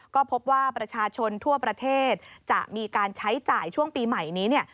ก็พบว่าประชาชนทั่วประเทศจะมีการใช้จ่ายช่วงปีใหม่นี้เนี่ย